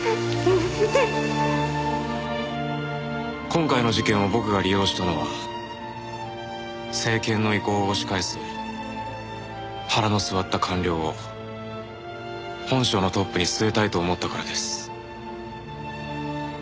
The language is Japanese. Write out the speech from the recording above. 今回の事件を僕が利用したのは政権の意向を押し返す腹の据わった官僚を本省のトップに据えたいと思ったからです。